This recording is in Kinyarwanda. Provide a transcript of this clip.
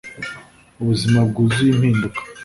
ubuzima bwuzuye impinduka